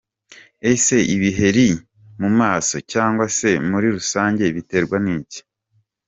Ese ibiheri mu maso cyangwa se muri rusange biterwa n’iki?.